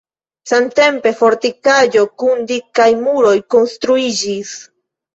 Samtempe fortikaĵo kun dikaj muroj konstruiĝis.